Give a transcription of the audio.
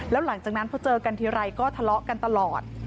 แล้วหลังจากนั้นพอเจอกันทีไรก็ทะเลาะกันตลอด